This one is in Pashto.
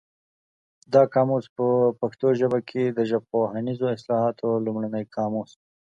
دا قاموس په پښتو ژبه کې د ژبپوهنیزو اصطلاحاتو لومړنی قاموس دی.